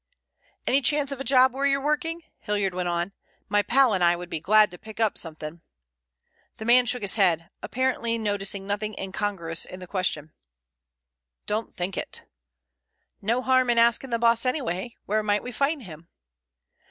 "Any chance of a job where you're working?" Hilliard went on. "My pal and I would be glad to pick up something." The man shook his head, apparently noticing nothing incongruous in the question. "Don't think it." "No harm in asking the boss anyway. Where might we find him?"